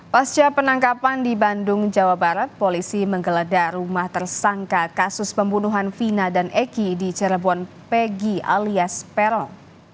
pasca penangkapan di bandung jawa barat polisi menggeledah rumah tersangka kasus pembunuhan vina dan eki di cirebon pegi alias peron